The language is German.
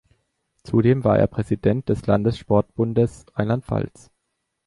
Zudem war er Präsident des Landessportbundes Rheinland-Pfalz.